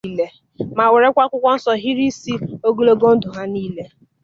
ma wèrekwa akwụkwọ nsọ hiri isi ogologo ndụ ha niile